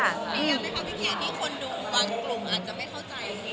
ยังไงค่ะพี่เกรดที่คนดูวางกลุ่มอาจจะไม่เข้าใจ